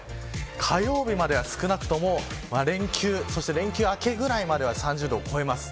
火曜日までは、少なくとも連休、連休明けくらいまでは３０度を超えます。